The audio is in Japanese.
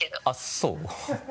あっそう？